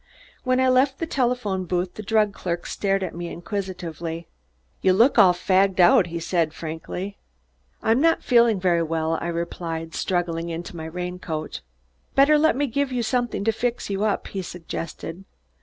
When I left the telephone booth the drug clerk stared at me inquisitively. "You look all fagged out," he said frankly. "I'm not feeling very well," I replied, struggling into my rain coat. "Better let me give you somethin' to fix you up," he suggested.